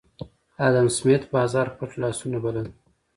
ادم سمېت بازار پټ لاسونه بلل